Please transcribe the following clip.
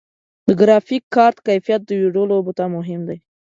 د ګرافیک کارت کیفیت د ویډیو لوبو ته مهم دی.